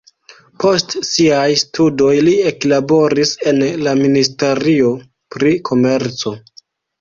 Post siaj studoj li eklaboris en la ministerio pri komerco.